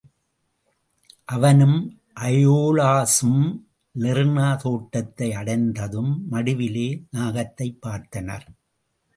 அவனும் அயோலஸும் லெர்னா தோட்டத்தை அடைந்ததும், மடுவிலே நாகத்தைப் பார்த்தனர்.